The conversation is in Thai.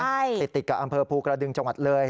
ใช่ติดกับอำเภอภูกระดึงจังหวัดเลย